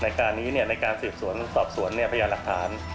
ในการนี้ในการสีบสวนสอบสวนประหยัดหลักฐาน